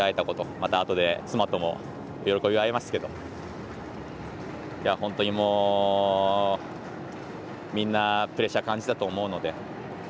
またあとで妻とも喜び合いますけど本当にみんなプレッシャー感じたと思うので。